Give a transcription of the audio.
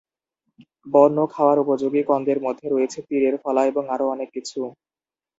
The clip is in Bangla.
বন্য খাওয়ার উপযোগী কন্দের মধ্যে রয়েছে তীরের ফলা এবং আরও অনেক কিছু।